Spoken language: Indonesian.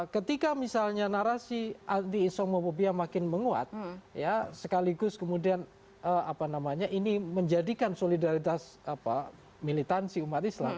ketika misalnya narasi anti islamophobia makin menguat sekaligus kemudian ini menjadikan solidaritas militansi umat islam